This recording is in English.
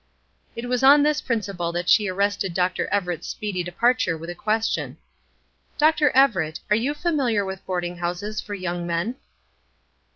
It was on this principle that she arrested Dr. Everett's speedy departure with a question: "Dr. Everett, are you familiar with boarding houses for young men?"